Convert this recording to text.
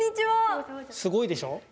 すごいでしょ。